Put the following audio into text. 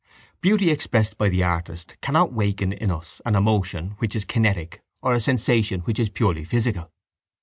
Beauty expressed by the artist cannot awaken in us an emotion which is kinetic or a sensation which is purely physical.